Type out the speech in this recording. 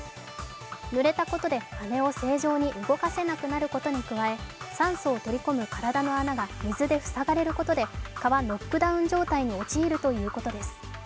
ぬれたことで羽を正常に動かせなくなることに加え酸素を取り込む体の穴が水で塞がれることで、蚊はノックダウン状態に陥るということです。